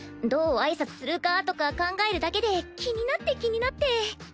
どう挨拶するかとか考えるだけで気になって気になって。